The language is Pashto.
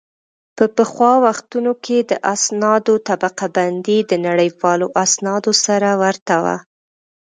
په پخوا وختونو کې د اسنادو طبقه بندي د نړیوالو اسنادو سره ورته وه